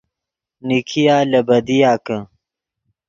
نیکیا لے بدیا کہ